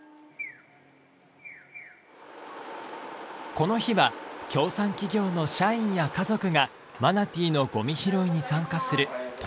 この日は協賛企業の社員や家族がマナティのゴミ拾いに参加する特別な日。